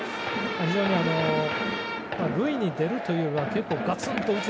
非常に塁に出るというかガツンと打つ